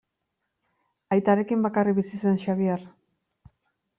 Aitarekin bakarrik bizi zen Xabier.